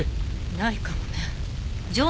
ないかもね。